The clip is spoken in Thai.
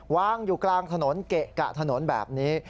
วางอยู่กลางถนนเกะกะถนนแบบนี้